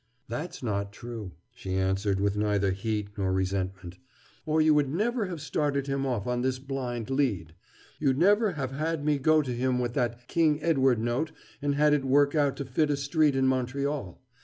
"That's not true," she answered with neither heat nor resentment, "or you would never have started him off on this blind lead. You'd never have had me go to him with that King Edward note and had it work out to fit a street in Montreal.